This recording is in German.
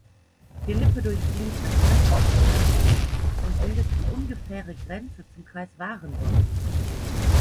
Die Lippe durchfließt das nördliche Kreisgebiet und bildet die ungefähre Grenze zum Kreis Warendorf.